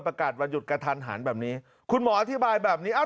ประกาศวันหยุดกระทันหันแบบนี้คุณหมออธิบายแบบนี้เอ้า